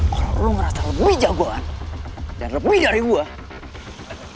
kalau lo ngerasa lebih jagoan dan lebih dari gue